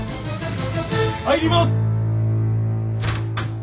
入ります！